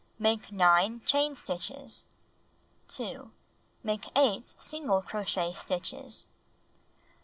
Make 9 chain stitches. 2. Make 8 single crochet stitches.